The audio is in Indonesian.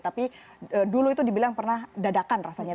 jadi dulu itu dibilang pernah dadakan rasanya